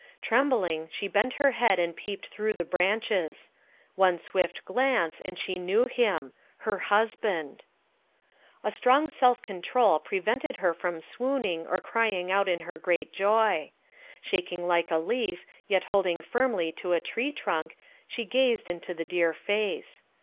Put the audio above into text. Trembling, she bent her head and peeped through the branches. One swift glance and she knew him her husband. A strong self control prevented her from swooning or crying out in her great joy. Shaking like a leaf, yet holding firmly to a tree trunk, she gazed into the dear face.